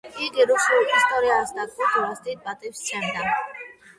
იგი რუსულ ისტორიას და კულტურას დიდ პატივის სცემდა.